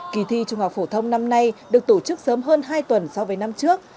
kỳ thi trung học phổ thông năm nay được tổ chức sớm hơn hai tuần so với năm trước